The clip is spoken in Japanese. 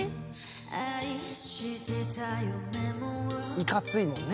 いかついもんね